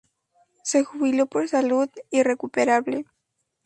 Se jubiló por salud irrecuperable.